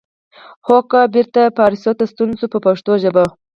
هوګو بېرته پاریس ته ستون شو په پښتو ژبه.